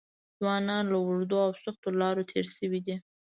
ځوانان له اوږدو او سختو لارو تېر شوي دي.